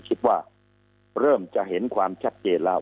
คิดว่าเริ่มจะเห็นความชัดเจนแล้ว